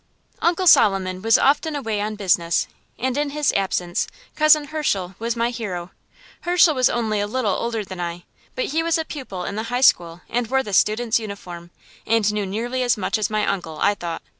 Uncle Solomon was often away on business, and in his absence Cousin Hirshel was my hero. Hirshel was only a little older than I, but he was a pupil in the high school, and wore the student's uniform, and knew nearly as much as my uncle, I thought.